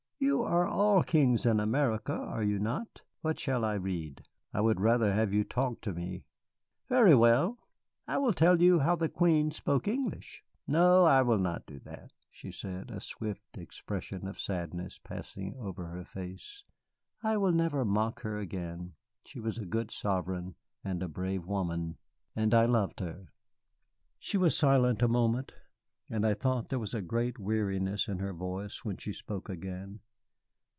"You are all kings in America are you not? What shall I read?" "I would rather have you talk to me." "Very well, I will tell you how the Queen spoke English. No, I will not do that," she said, a swift expression of sadness passing over her face. "I will never mock her again. She was a good sovereign and a brave woman, and I loved her." She was silent a moment, and I thought there was a great weariness in her voice when she spoke again.